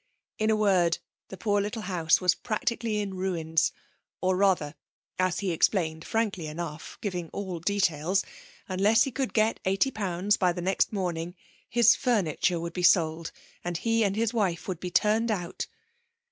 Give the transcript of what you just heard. In a word, the poor little house was practically in ruins, or rather, as he explained frankly enough (giving all details), unless he could get eighty pounds by the next morning his furniture would be sold and he and his wife would be turned out.